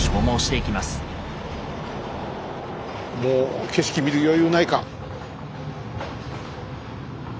もう景色見る余裕ないか。